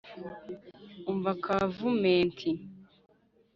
umva kavumenti,